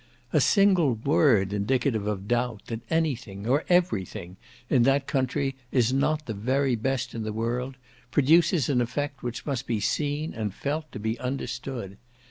A single word indicative of doubt, that any thing, or every thing, in that country is not the very best in the world, produces an effect which must be seen and felt to be understood.